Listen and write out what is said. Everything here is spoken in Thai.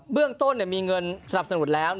เรื่องต้นมีเงินสนับสนุนแล้ว